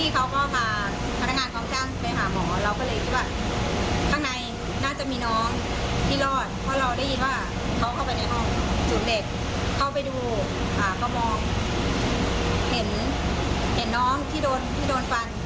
เข้าไปดูเข้ามองเห็นน้องที่โดนที่โดนฟัน